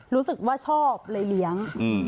รู้สึกว่าชอบเลยเลี้ยง